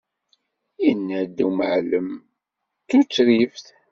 Yenna-d umɛellem d tutribt!